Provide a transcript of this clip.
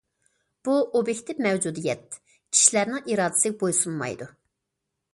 بۇ ئوبيېكتىپ مەۋجۇدىيەت، كىشىلەرنىڭ ئىرادىسىگە بويسۇنمايدۇ.